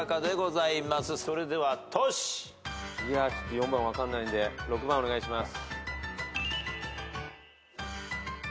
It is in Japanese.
４番分かんないんで６番お願いします。